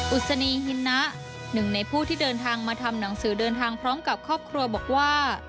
อุศนีฮินนะหนึ่งในผู้ที่เดินทางมาทำหนังสือเดินทางพร้อมกับครอบครัวบอกว่า